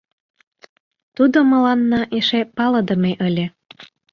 Тудо мыланна эше палыдыме ыле.